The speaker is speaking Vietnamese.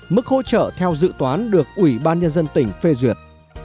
mức hỗ trợ theo dự toán được ủy ban nhân dân tỉnh phê duyệt